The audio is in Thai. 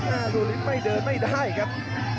อ้าวสุรินทราชัยไม่เดินไม่ได้ครับ